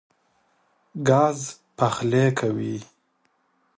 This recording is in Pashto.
ګاز پخلی کوي.